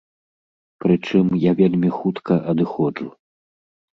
Прычым, я вельмі хутка адыходжу.